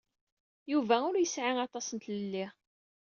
Yuba ur yesɛi aṭas n tlelli.